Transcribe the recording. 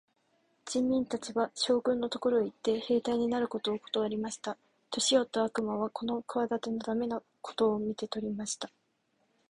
人民たちは、将軍のところへ行って、兵隊になることをことわりました。年よった悪魔はこの企ての駄目なことを見て取りました。